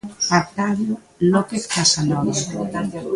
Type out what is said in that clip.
Arcadio López Casanova.